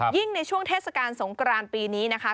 ในช่วงเทศกาลสงกรานปีนี้นะคะ